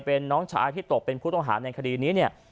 เป็นน้องชายที่ตกเป็นผู้ต้องหาในคดีนี้เนี่ย